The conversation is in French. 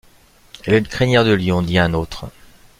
Elle a une crinière de lion! dit un autre.